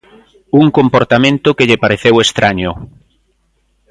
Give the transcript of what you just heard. Un comportamento que lle pareceu estraño.